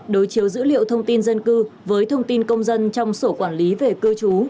đối chiếu dữ liệu thông tin dân cư với thông tin công dân trong sổ quản lý về cư trú